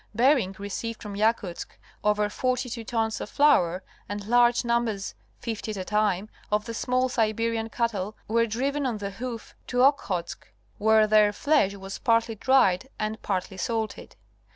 Bering received from Yakutsk over forty two tons of flour, and large numbers, fifty at a time, of the small Siberian cattle were driven on the hoof to Okhotsk where their flesh was partly dried and partly salted.